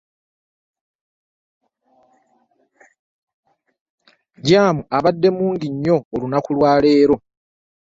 Jaamu abade mungi nnyo olunaku olwa leero.